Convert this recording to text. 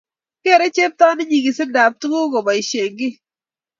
kereei cheptonin nyikisindokab tuguuk kobaishen kii